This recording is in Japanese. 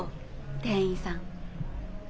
店員さん。